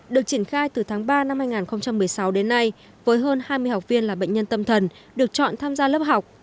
được triển khai từ tháng ba năm hai nghìn một mươi sáu đến nay với hơn hai mươi học viên là bệnh nhân tâm thần được chọn tham gia lớp học